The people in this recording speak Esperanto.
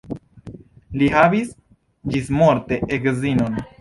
Li havis ĝismorte edzinon.